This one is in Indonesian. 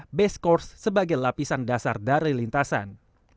lalu juga base course sebagai lapisan dasar dari lintasan